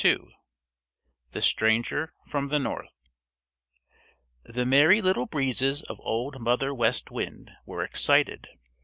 II THE STRANGER FROM THE NORTH The Merry Little Breezes of Old Mother West Wind were excited.